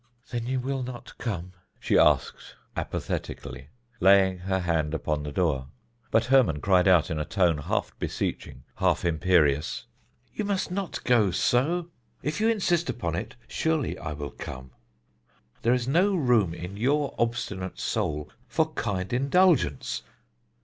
"Then you will not come?" she asked apathetically, laying her hand upon the door; but Hermon cried out in a tone half beseeching, half imperious: "You must not go so! If you insist upon it, surely I will come. There is no room in your obstinate soul for kind indulgence.